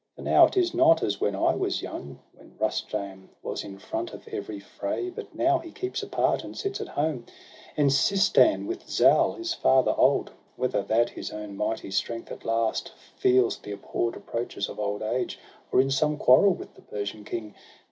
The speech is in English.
For now it is not as when I was young, When Rustum was in front of every fray: But now he keeps apart, and sits at home. In Seistan, with Zal, his father old. Whether that his own mighty strength at last Feels the abhorr'd approaches of old age; Or in some quarrel with the Persian King.